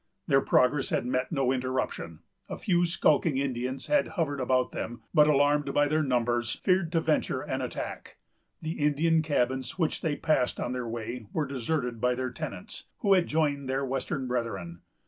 Their progress had met no interruption. A few skulking Indians had hovered about them, but, alarmed by their numbers, feared to venture an attack. The Indian cabins which they passed on their way were deserted by their tenants, who had joined their western brethren.